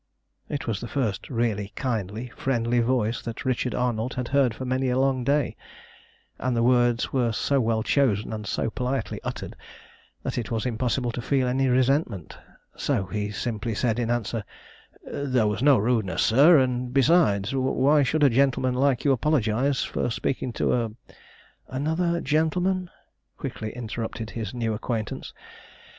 It was the first really kindly, friendly voice that Richard Arnold had heard for many a long day, and the words were so well chosen and so politely uttered that it was impossible to feel any resentment, so he simply said in answer "There was no rudeness, sir; and, besides, why should a gentleman like you apologise for speaking to a" "Another gentleman," quickly interrupted his new acquaintance.